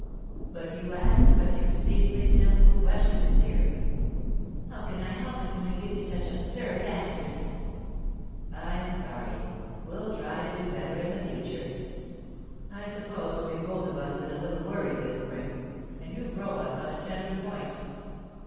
'But you ask such exceedingly simple questions, dear.' 'How can I help it when you give me such absurd answers?' 'I'm sorry. We'll try to do better in the future. I suppose we've both of us been a little worried this spring, and you probe us on a tender point.